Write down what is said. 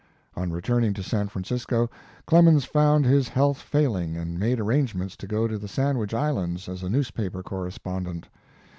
On returning to San Francisco, Clemens found his health failing and made arrangements to go to the Sandwich Islands as a news paper correspondent.